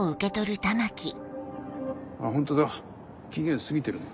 あっホントだ期限過ぎてるな。